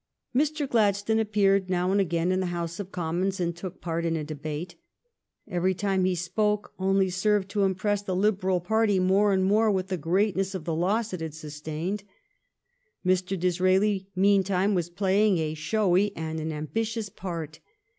Mr. Gladstone appeared now and again in the House of Commons and took part in a debate. Every time he spoke only served to impress the Liberal party more and more with the greatness of the loss it had sustained. Mr. Disraeli meantime was playing a showy and an ambitious part.